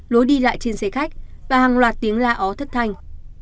lối đi lại trên xe khách và hàng loạt tiếng la ó thất thanh